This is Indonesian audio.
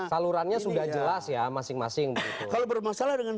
kalau bermasalah dengan